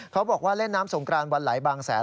เขาบอกว่าเล่นน้ำสงกรานวันไหลบางแสน